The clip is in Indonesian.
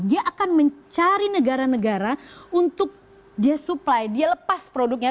dia akan mencari negara negara untuk dia supply dia lepas produknya